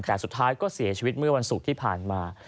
แต่สุดท้ายก็เสียชีวิตเมื่อวันศุกร์ที่ผ่านมา